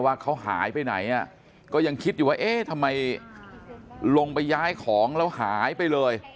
ว่าเขาหายไปไหนก็ยังคิดอยู่ว่าเอ๊ะทำไมลงไปย้ายของแล้วหายไปเลย